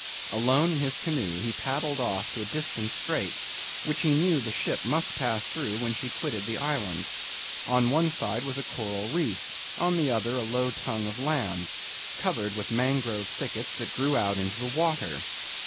Alone in his canoe, he paddled off to a distant strait, which he knew the ship must pass through when she quitted the island. On one side was a coral reef; on the other a low tongue of land, covered with mangrove thickets that grew out into the water.